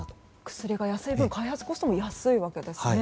薬が安い分開発コストも安いわけですね。